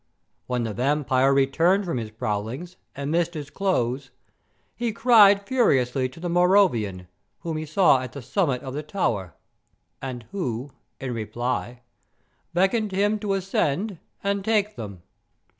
When the vampire returned from his prowlings and missed his clothes, he cried furiously to the Moravian, whom he saw at the summit of the tower, and who, in reply, beckoned him to ascend and take them.